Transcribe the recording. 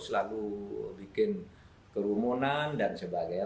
selalu bikin kerumunan dan sebagainya